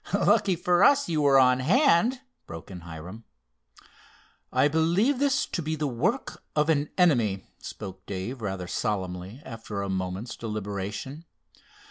"Lucky for us you were on hand!" broke in Hiram. "I believe this to be the work of an enemy," spoke Dave, rather solemnly, after a moment's deliberation.